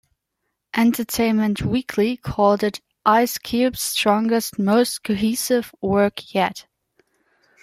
"Entertainment Weekly" called it "Ice Cube's strongest, most cohesive work yet".